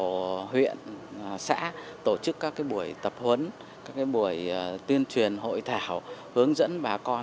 các huyện xã tổ chức các buổi tập huấn các buổi tuyên truyền hội thảo hướng dẫn bà con